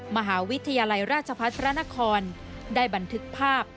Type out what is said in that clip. มหาวิทยาลัยราชพัฒน์พระนครได้บันทึกภาพ